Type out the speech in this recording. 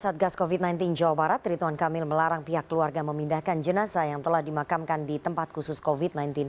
saat gas covid sembilan belas jawa barat rituan kamil melarang pihak keluarga memindahkan jenazah yang telah dimakamkan di tempat khusus covid sembilan belas